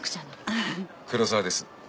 黒沢です。